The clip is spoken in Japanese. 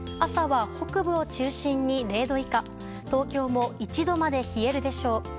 朝は北部を中心に０度以下東京も１度まで冷えるでしょう。